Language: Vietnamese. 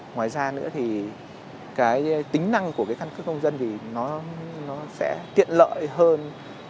ngoài ra nữa thì cái tính năng của cái căn cước công dân thì nó sẽ tiện lợi hơn